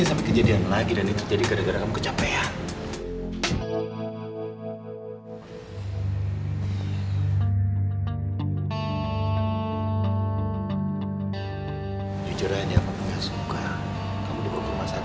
tapi dia aja gak mau keluar dari kamar